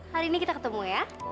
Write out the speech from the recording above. hari ini kita ketemu ya